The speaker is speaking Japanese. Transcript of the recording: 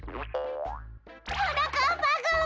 はなかっぱくん！